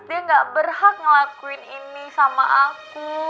dia gak berhak ngelakuin ini sama aku